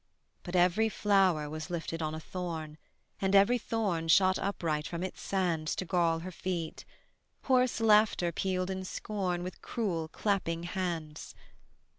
But every flower was lifted on a thorn, And every thorn shot upright from its sands To gall her feet; hoarse laughter pealed in scorn With cruel clapping hands.